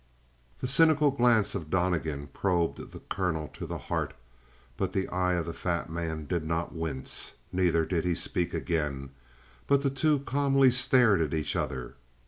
The cynical glance of Donnegan probed the colonel to the heart, but the eyes of the fat man did not wince. Neither did he speak again, but the two calmly stared at each other.